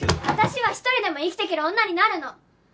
私は一人でも生きていける女になるの！